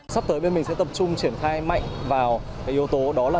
sắp tới bên mình sẽ tập trung triển khai mạnh vào yếu tố đó là